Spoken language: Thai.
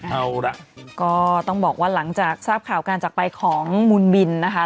เอาล่ะก็ต้องบอกว่าหลังจากทราบข่าวการจักรไปของมูลบินนะคะ